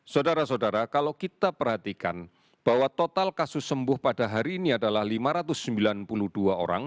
saudara saudara kalau kita perhatikan bahwa total kasus sembuh pada hari ini adalah lima ratus sembilan puluh dua orang